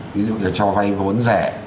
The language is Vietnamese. ví dụ như là cho vay vốn rẻ